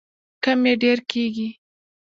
کم یې ډیر کیږي.